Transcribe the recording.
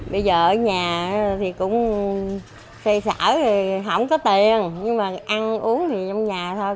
bây giờ ở nhà thì cũng xây sở thì không có tiền nhưng mà ăn uống thì trong nhà thôi